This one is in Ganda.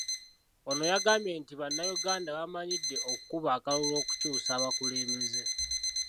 Ono yagambye nti Bannayuganda bamanyidde okukuba akalulu okukyusa abakulembeze.